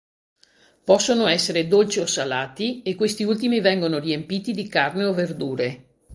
Possono essere dolci o salati, e questi ultimi vengono riempiti di carne o verdure.